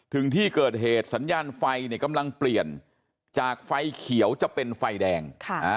ถึงที่เกิดเหตุสัญญาณไฟกำลังเปลี่ยนจากไฟเขียวจะเป็นไฟแดง